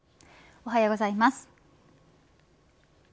おはようございます。